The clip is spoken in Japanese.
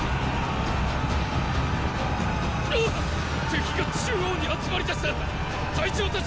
敵が中央に集まりだした！